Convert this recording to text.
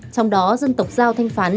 trong đó dân tộc giao thanh phán